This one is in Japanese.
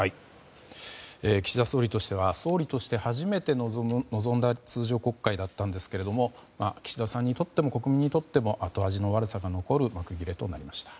岸田総理としては総理として初めて臨んだ通常国会だったんですけれども岸田さんにとっても国民にとっても後味の悪さが残る幕切れとなりました。